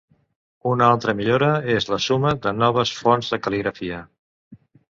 Una altra millora és la suma de noves fonts de cal·ligrafia.